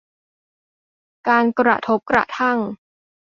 การกระทบกระทั่ง